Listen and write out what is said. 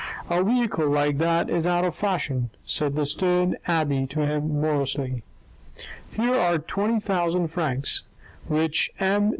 " A vehicle like that is out of fashion," said the stern abbe to him morosely. " Here are twenty thousand francs which M.